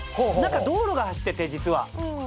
道路が走ってて実は。